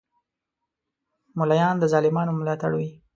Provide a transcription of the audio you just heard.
مولایان د ظالمانو ملاتړ وی